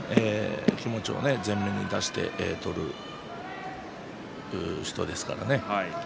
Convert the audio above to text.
気持ちを全面に出して取る人ですからね。